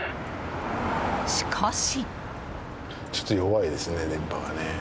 しかし。